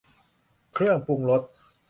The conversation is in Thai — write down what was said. เครื่องปรุงรส